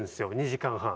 ２時間半。